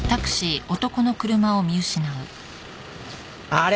あれ？